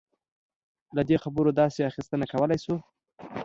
له دې خبرو داسې اخیستنه کولای شو.